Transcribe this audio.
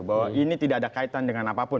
bahwa ini tidak ada kaitan dengan apapun